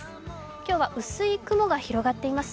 今日は薄い雲が広がっています。